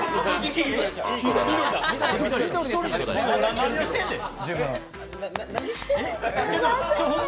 何してんねん！